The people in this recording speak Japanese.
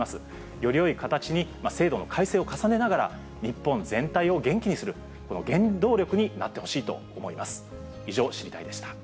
よりよい形に制度の改正を重ねながら、日本全体を元気にする、この原動力になってほしいと思います。